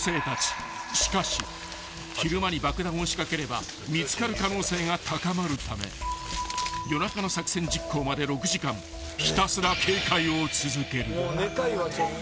［しかし昼間に爆弾を仕掛ければ見つかる可能性が高まるため夜中の作戦実行まで６時間ひたすら警戒を続ける］